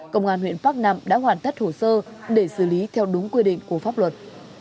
công an huyện bắc nẵm đã hoàn tất hồ sơ để xử lý theo đúng quy định của pháp luật